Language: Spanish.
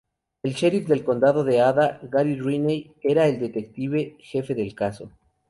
El sheriff del Condado de Ada: Gary Raney era el detective jefe del caso.